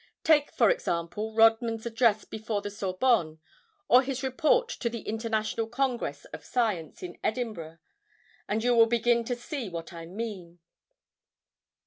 Take, for example, Rodman's address before the Sorbonne, or his report to the International Congress of Science in Edinburgh, and you will begin to see what I mean.